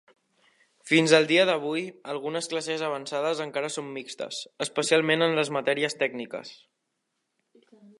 Fins al dia d'avui, algunes classes avançades encara són mixtes, especialment en les matèries tècniques.